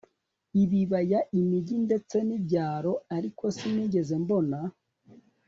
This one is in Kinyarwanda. ibibaya imigi ndetse nibyaro ariko sinigeze mbona